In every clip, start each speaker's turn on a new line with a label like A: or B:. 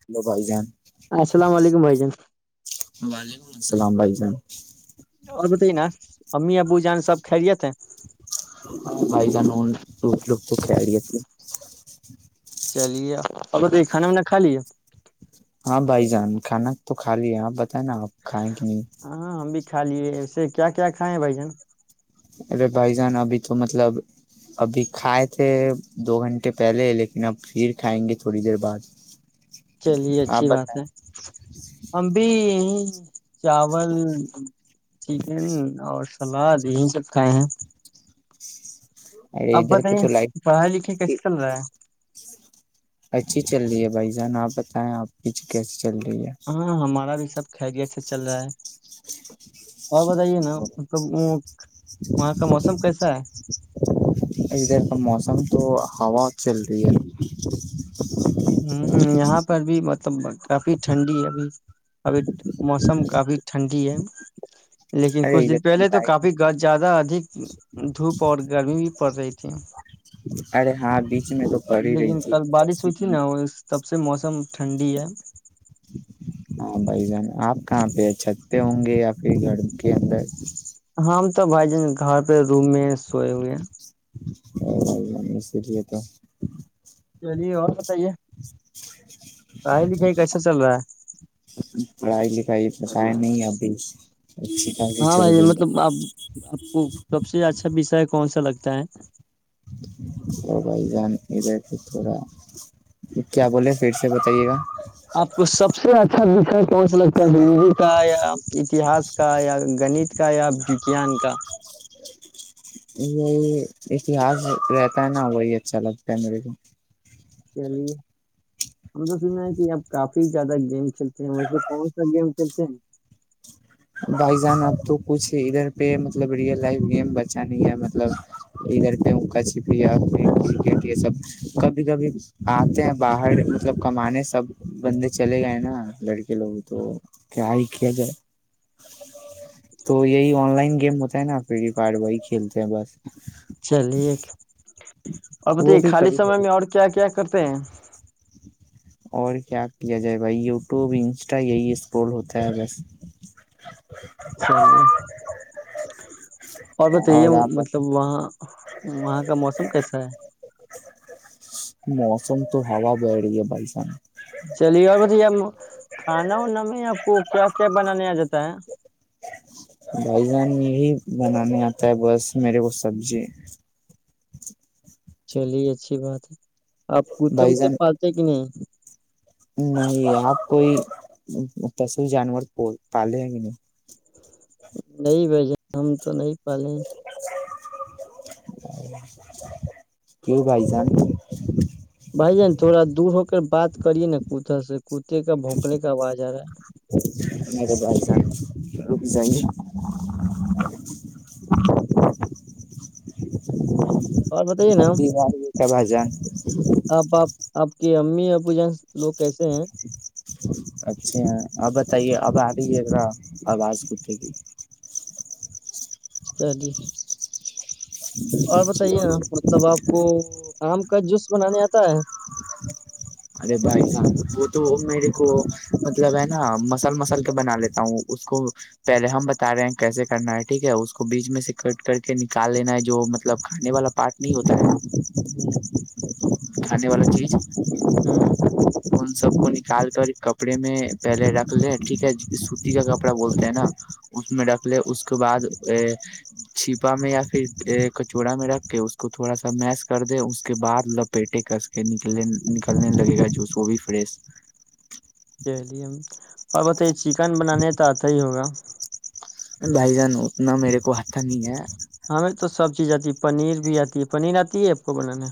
A: hello بھائی جان
B: السلام علیکم بھائی جان
A: وعلیکم السلام علیکم
B: اور بتائیے نا امی ابو جان سب خھیلت اھ [inaudible]
A: بھائی جانون ل لوگ تو کڑیا تھے
B: چلی گیا اورگر یہ کانا وانا کا لیے
A: ہاں بھائی جان کھانا تو خالی ہے نا آپ کھیں کہ نہیں
B: ہاں ہم بھی کھا لیے اسے کیا کیا کھائے ہیں بھائی جن
A: ارے بھائی جان ابھی تو مطلب ابھی کھائے تھے دو گھنٹے پہلے لیکن اب پھر کھائیں گے تھوڑی دیر بعد
B: چلیے
A: آپ
B: اچھی بات
A: بتائیں
B: ہے ہم بھی یہ ہوں [inaudible] چاول چکن اور سلاد یہی سب کھائے ہیں
A: ارے
B: اب
A: ادھر پہ
B: بتائیے
A: تو لائٹ
B: پڑھائی لکھائی کیسے چل رہا ہے
A: اچھی چل رہی ہے بھائی جان آپ بتائیں آپیچے کیس
B: ہاں ہاں مارا بھی سب خییدت سے چل رہا ہے اور بتائیے نا
A: ہے
B: مطلب وہاں کا موسم کیسا ہے
A: ادھر موسم تو ہوا چل رہی ہے
B: یہاں پر بھی مطلب کافی ٹھنڈی ہے ابھی ابھی موسم کافی ٹھنڈی ہے لیکن
A: ارے
B: کچھ دن
A: ادھر
B: پہلے تو کافی گد زیادہ ادھ دھوپ اور گرمی بھی پڑ رہی تھی
A: ارے ہاں بیچ میں تو پڑ ہی رہی
B: لیکن کل بارش
A: تھی
B: ہوئی [inaudible] سب سے موسم ٹھنڈی ہے
A: ہاں بھائی جان آپ کہاں پہ چھتے ہوں گے یا پھر گھر کے اندر [inaudible]
B: ہاں تو بھائی جن گھر پہ روم میں سوئے ہوئے
A: سریے تھا [inaudible]
B: چلیے اور بتائیے پڑھائی لکھائی کیسا چل رہا ہے
A: پڑھائی لکھائی پتہ ہے نہیں ابھی اچھی خاصی
B: ہاں
A: چل
B: بھائی
A: رہی ہے
B: مطلب آپ آپ کو سب سے اچھا کون سا لگتا ہے
A: تو بھائی جان ادھر سے تھوڑا کیا بولے پھر سے بتائیے گا
B: آپ کو سب سے اچھا کون سا لگتا ہے زندگی کا یا اتہاس کا یا گنت کا یا آپ وجیان کا
A: یہی اتہس رہتا ہے نا وہی اچھا لگتا ہے میرے کو
B: چلیے ہم تو سن رہ ہیں کہ اب کاف کافی زیادہ گیم کھیلتے ہیں مطب کون سا گیم کھیلتے ہیں
A: بھائی جان اب تو کچھ ادھر پہ مطلب ریئل لائف گیم بچا نہیں ہے مطلب ادھر پہ اکا چھپ کرکٹ یہ سب کبھی کبھی آتے ہیں باہر مطلب کمانے سب بندے چلے گئے نا لڑکے لوگ تو کیا ہی کیا جائے تو یہی آن لائن گیم ہوتا ہے نا فری فائر وہی کھیلتے ہیں بس
B: چلیے اور بتے
A: وہ بھی
B: خالی
A: کبھی
B: سمے
A: کبھی
B: میں اور کیا کیا کرتے ہیں
A: اور کیا کیا جائے بھائی یوٹیوب انسٹا یہی اسٹول ہوتا ہے بس
B: اچھا اور بتائیے مطلب وہاں [inaudible] وہاں کا موسم کیسا ہے
A: موسم تو ہا برہ گے بائیسان
B: چلیے گ ب تو ج [unintelligible] کھانا وانا میں آپ کو کیا کیا بنانے آ جاتا ہے
A: بھائی جان یہی بنانے آتا ہے بس میرے کو سبزی [unintelligible]
B: چلیے اچھی بات ہے آپ پت
A: بھائی
B: اتے
A: جان
B: پالتے کہ نہیں
A: نہیں آپ کوئی پشو جانور پالے ہیں کہ نہیں
B: نہیں بھ جان ہم تو نہیں پالے
A: کیوں بھائی جان
B: ا بات کریے نا کتھا سے کوتے کا بھونکنے کا آواز آ رہا ہے
A: م با رک جاہ گے
B: اور بتائیے نا ہم
A: ا ب جا
B: آپ آپ آپ کی ہم آ پ ج لو
A: اچھا ا بتائیے اب آ رہی ہے اا آواز کے کی
B: چ جی اور بتائیے نا مطلب آپ کو کام کا جوس بنانے آتا ہے
A: ارے بائیس وہ تو میرے کو مطلب ہے نا مسل مسل کے بنا لیتا ہوں اس کو پہلے ہم بتا رہے ہیں کیسے کرنا ہے ٹھیک ہے اس کو بیچ میں سے کٹ کر کے نکال لینا ہے جو مطلب کھانے والا پارٹ نہیں ہوتا ہے
B: ہوں
A: کھانے والا جی
B: ہاں
A: سب کو نکال کر کپڑے میں پہلے رکھ لے ٹھیک ہے سوتی کا کپڑا بولتے ہے نا اس میں رکھ لے اس کے بعد ا چھپا میں یا پھر کچوڑا میں رکھ کے اس کو تھوڑا سا میس کر دے اس کے بعد لپیٹے کس کے ن نکلنے لگے گا جوس وہ بھی فریش
B: چلیے اور بتائی چکن بنانے تو آتا ہی ہوگا
A: بھائی جان اتنا میرے کو ہھا نہیں ہے
B: ہمیں تو سب چیز آتی ہے پنیر بھی آتی ہے پنیر آتی ہے آپ کو بنانا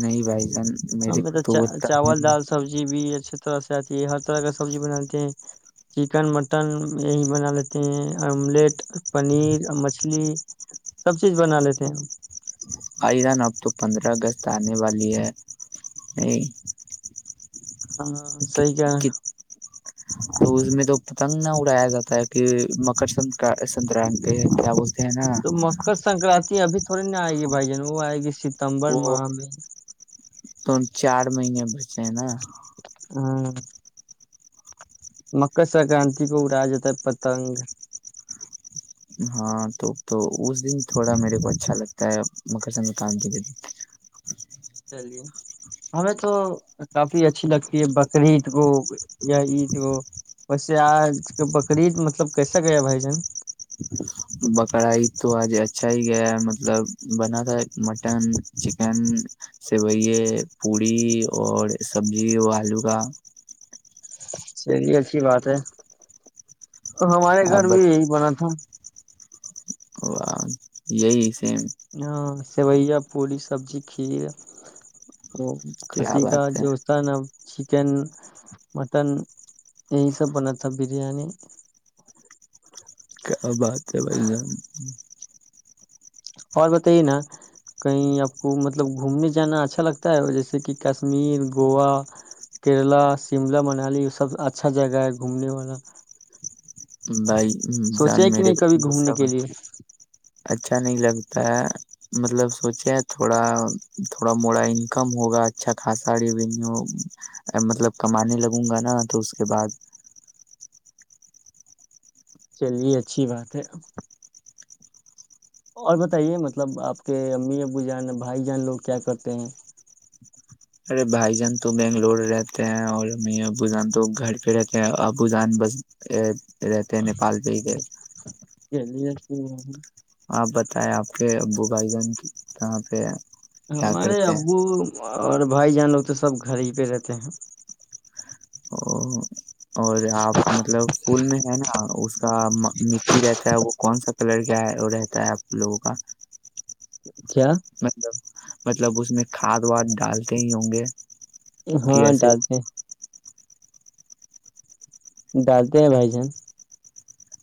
A: نہیں بھائی جان
B: ہم
A: میرے کو
B: تو
A: اتنا
B: چاول دال سبزی بھی اچھیے طرح سے ہے ہر طرح کا سبزی بنا لیتے ہیں چکن مٹن یہی بنا لیتے ہیں آملیٹ پنیر مچھلی سب چیز بنا لیتے ہم
A: آئدان اب تو پندرہ اگست وال
B: ہاں صحیح کہہ رہے ہیں
A: [inaudible] تو اس میں تو پتنگ نہ اڑایا جاتا تہ کہ مکر سنر ستران کیا بولتے [unintelligible]
B: تو مکر سنکرانتی ابھی تھوڑی نا آئے گی بھائی جان وہو آ ہے گی س ستمبر ماہ میں
A: ون چار مہینے بعد چائنہ
B: ہاں مکر سنکرانتی کو اڑا جاتا ہے پتنگ
A: ہاں تو تو اس دن تھوڑا میرے کو اچھا لگتا ہے مکر سنکرانتی کے دن
B: چلیے ہمیں تو کافی اچھی لگتی ہے بکراعید کو یا عید گو ویسے آج کا بکرا عید مطلب کیسا گیا بھائی جان
A: بکرا عید تو آج اچھا ہی گیا ہے مطلب بنا تھا مٹن چکن سیویے پوڑی اور سبزی اور آلو کا
B: اچھا جی اچھی بات ہے ہمارے گھر بھی
A: آبت
B: یہی بنا تھا
A: وہ یہی سیم
B: ہاں سیوئیا پوڑی سبزی کھیر وہ
A: کیا
B: کھسی کا
A: بات
B: جو ہوتا ہے نا چھ چکن مٹن یہ سب بنا تھا بریانی
A: کیا بات ہے بھائی جان
B: اور بتائیے نا کہیں آپ کو مطلب گھومنے جانا اچھا لگتا ہے جیسے کہ کشمیر گووا کیرلا شملہ منالی یہ سب اچھا جگہ ہے گھومنے والا
A: بھائی جان
B: سوچے کہ
A: میرے
B: نہیں کبھی
A: س
B: گھومنے کے لیے
A: اچھا نہیں لگتا ہے مطلب سوچے تھوڑا تھوڑا موڑا انکم ہوگا اچھا خاصا ریوینیو مطلب کمانے لگوں گا نا تو اس کے بعد
B: چلیے اچھی بات ہے اور بتائیے مطلب آپ کے امی ابو جان بھائی جان لوگ کیا کرتے ہیں
A: ارے بھائی جان تو بنگلور رہتے ہیں اور ہم ابو جان تو گھر پہ رہتے ہیں ابو جان بس پ رہتے نیپال بھیی گئے
B: گلیتی
A: آپ بتائے آپ کے ابو بھائی جان کہاں پہ ہے
B: ہمارے ابو اور بھائی جان تو سب گھر ہی پہ رہتے ہیں [unintelligible]
A: اوو اور آپ مطلب پھول میں ہے نا اس مٹی رہتا ہے وہ کون سا کلر کیا ہے وہ رہتا ہے آپ لوگوں کا [unintelligible]
B: کیا
A: مطلب مطلب اس نے ہھاد واد ڈالتے ہی ہوں گے کہ
B: ہاں
A: ایسے
B: ڈالتے ڈالتے ہیں بھائی جان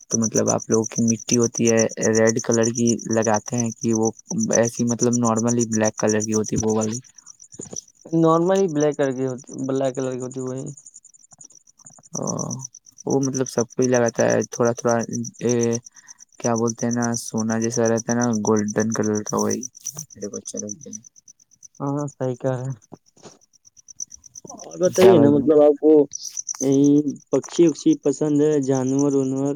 A: تو مطلب آپ لوگوں کی مٹی ہوتی ہے ریڈ کلر کی لگاتے ہیں کہ وہ ایسی مطلب نارملی بلیک کلر کی ہوتی ہے وہ والی
B: نارملی بلیک کلر کی ہوتی بلیک کلر کی ہوتی وہی
A: وہ مطلب سب کو ہی لگاتا ہے تھوڑا تھوڑا یہ کیا بولتے ہیں نا سونا جیسا رہتا ہے نا گولڈن کلر کا وہی میرے کو اچھا لگتا ہے
B: ہاں صحی کہ ہے ہاں
A: کیا
B: بتائیے نا
A: بھائی جان
B: مطلب آپ کو یہ پکشی اکشی پسند ہے جانور وانور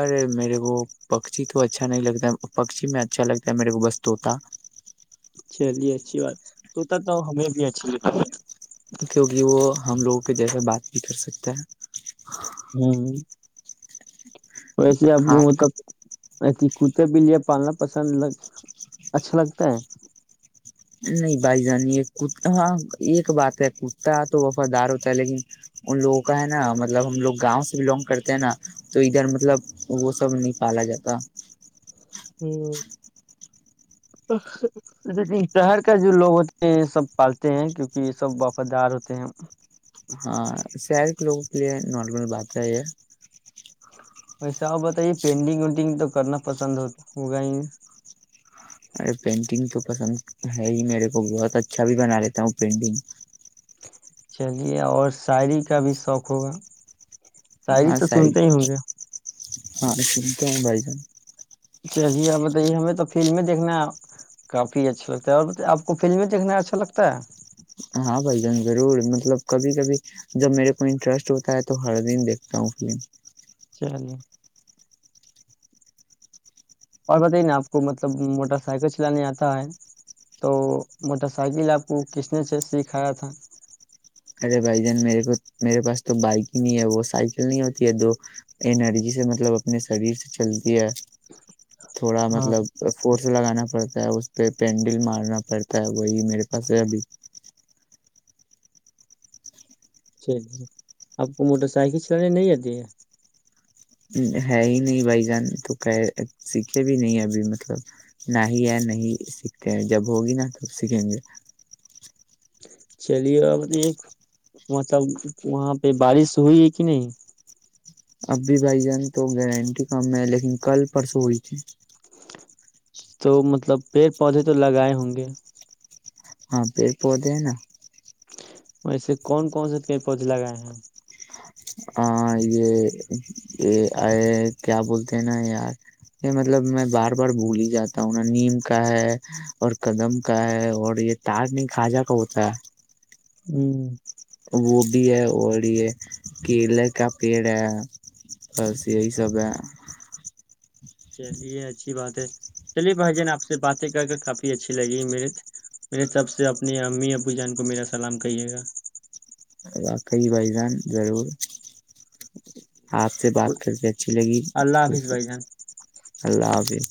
A: ارے میرے کو پکچی تو اچھا نہیں لگتا پکچی میں اچھا لگتا ہے میرے کو بس طوطا
B: چلیے اچھی بات توتا تو ہمیں بھی اچھی لگتی ہے
A: کیونکہ وہ ہم لوگوں کےہ جیسے بات بھی کر سکتا ہے
B: ہاں ہ [inaudible] ویسے آپ کو مطلب ا کتے بھیلے پالنا پسندگ اچھا لگتا ہے
A: نہیں بھائی جانیے ہاں ایک بات ہے کتا تو وفادار ہوتا ہے لیکن ان لوگوں کا ہے نا مطلب ہم لوگ گاؤں سے بلونگ کرتے ہیں نا تو ادھر مطلب وہ سب نہیں پالا جاتا
B: ہ لیکن شہر کا جو لوگ ہوتے ہیں یہ سب پالتے ہیں کیونکہ یہ سب وفادار ہوتے ہیں [inaudible]
A: ہاں شہر کے لوگوں کے لیے نارمل بات ہے ہے
B: ویسا آ بتائیے پینٹنگ وینٹنگ تو کرنا پسند ہوگا ہی
A: ارے پینٹنگ تو پسند ہے ہی میرے کو بہت اچھا بھی بنا لیتا ہوں پینٹنگ
B: چلیے اور شاعری کا بھی شوق ہوگا ساری
A: ہاں
B: تو سنتے
A: سائڈ
B: ہی ہوں گے
A: ہاں س تو ہم بھائی جان
B: چلیے آ بتائیے ہمیں تو فلمیں دیکھنا کافی اچھا لگتا ہے اور آپ کو فلمیں دیکھنا اچھا لگتا ہے
A: ہاں بھائی جان ضرور مطلب کبھی کبھی جب میرے کو انٹرسٹ ہوتا ہے تو ہر دن دیکھتا ہوں فلم
B: چلیے [inaudible] اور بتائیے نا آپ کو مطلب موٹر سائیکل چلانے آتا ہے تو موٹر سائیکل آپ کو کس نے سے سکھایا تھا
A: ارے بھائی جان میرے کو میرے پاس تو بائک ہی نہیں ہے وہ سائیکل نہیں ہوتی ہے دو انرجی سے مطلب اپنے شریر سے چل یہ تھوڑا
B: ہاں
A: مطلب فورس لگانا پڑتا ہے اس پہ پینڈل مارنا پڑتا ہے وہی میرے پاس ابھی
B: چلی آپ کو موٹر سائیکل چلانے نہیں آتی ہے
A: ہے ہی نہیں بھائی جان تو کہ سیکھے بھی نہیں ابھی مطلب نہ ہی ہے نہیں سیکھتے ہیں جب ہوگی نا توب سیکھیں گے
B: چلیے اب ایک مطلب وہاں پہ بارش ہوئی ہے کہ نہیں
A: اب بھی بھائی جان تو گارنٹی کم ہے لیکن کل پرسوں ہوئی تھی
B: تو مطلب پیڑ پودے تو لگائے ہوں گے
A: ہاں پیڑ پودے ہیں نا
B: ایسے کون کون سے پیڑ پودے لگائے ہیں
A: ہاں یہ یہ آئے کیا بولتے ہیں نا یار یہ مطلب میں بار بار بھول ہی جاتا ہوں نا نیم کا ہے اور قدم کا ہے اور یہ تار نہیں کھواجا کا ہوتا ہے
B: ہوں [inaudible]
A: وہ بھیھی ہے اوری ہے کیلے کا پیڑ ہے بس یہی سب ہے
B: چلیے اچھی بات ہے چلیے بھائی جان آپ سے باتیں کر کے کافی اچھی لگی میرے میرے سب سے اپنی امی اپو جان کو میرا سلام کہیے گا
A: واقعی بھائی جان ضرور آپ سے بات کر کے اچھی لگی
B: اللہ حافظ
A: ٹھیک ہے
B: بھائی جان
A: اللہ حافظ